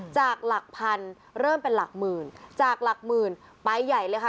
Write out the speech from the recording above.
จากหลักพันเริ่มเป็นหลักหมื่นจากหลักหมื่นไปใหญ่เลยค่ะ